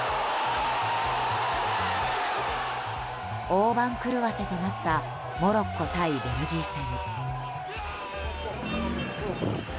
大番狂わせとなったモロッコ対ベルギー戦。